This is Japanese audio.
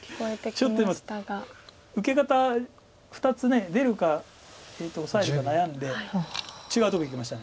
ちょっと今受け方２つ出るかオサえるか悩んで違うとこいきました。